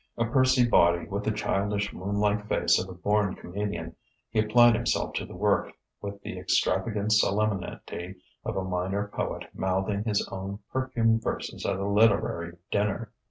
A pursy body, with the childish, moon like face of a born comedian, he applied himself to the work with the extravagant solemnity of a minor poet mouthing his own perfumed verses at a literary dinner.